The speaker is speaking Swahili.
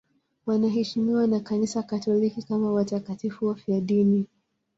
Wanaheshimiwa na Kanisa Katoliki kama watakatifu wafiadini.